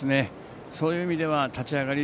そういう意味では立ち上がり